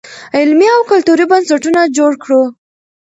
علمي او کلتوري بنسټونه جوړ کړو.